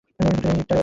ধুত্তুরি, একটা দরজা।